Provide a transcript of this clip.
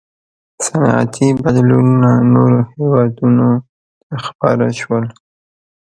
• صنعتي بدلونونه نورو هېوادونو ته خپاره شول.